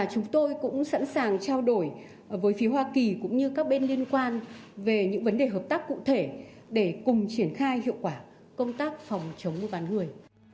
chúng tôi cũng sẵn sàng trao đổi với phía hoa kỳ cũng như các bên liên quan về những vấn đề hợp tác cụ thể để cùng triển khai hiệu quả công tác phòng chống mua bán người